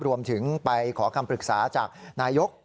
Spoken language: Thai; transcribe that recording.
รวมถึงไปขอคำปรึกษาจากนายก